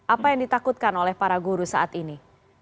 apa yang ditakutkan oleh para guru saat ini